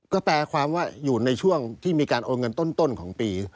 ก็แปลความว่าอยู่ในช่วงที่มีการโอนเงินต้นของปี